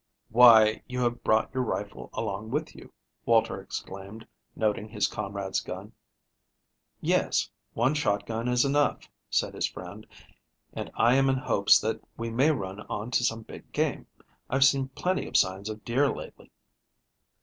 "Why, you have brought your rifle along with you," Walter exclaimed, noting his comrade's gun. "Yes; one shotgun is enough," said his friend; "and I am in hopes that we may run on to some big game. I've seen plenty of signs of deer lately."